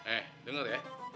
eh denger ya